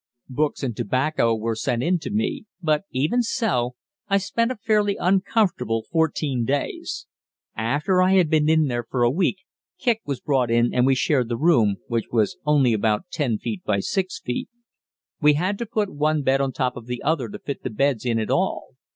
Books and tobacco were sent in to me; but, even so, I spent a fairly uncomfortable fourteen days. After I had been in there for a week, Kicq was brought in and we shared the room, which was only about 10 feet by 6 feet. We had to put one bed on top of the other to fit the beds in at all.